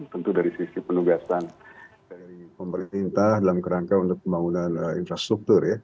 tentu dari sisi penugasan dari pemerintah dalam kerangka untuk pembangunan infrastruktur ya